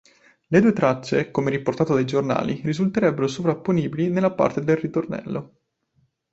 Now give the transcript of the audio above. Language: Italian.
Le due tracce, come riportato dai giornali, risulterebbero sovrapponibili nella parte del ritornello.